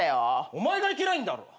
お前がいけないんだろ！